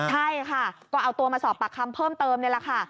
ใช่ค่ะก็เอาตัวมาสอบปากคำเพิ่มเติมนี่แหละค่ะ